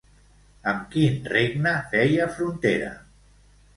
Amb quin regne feia frontera?